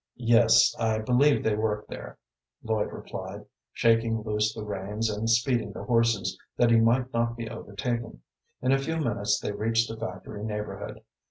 "Yes, I believe they worked there," Lloyd replied, shaking loose the reins and speeding the horses, that he might not be overtaken. In a few minutes they reached the factory neighborhood.